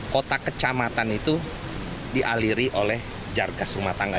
kota kecamatan itu dialiri oleh jar gas rumah tangga